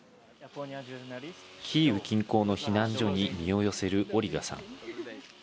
キーウ近郊の避難所に身を寄せるオリガさん。